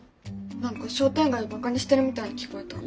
何か商店街をバカにしてるみたいに聞こえた。